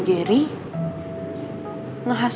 gitu dong urus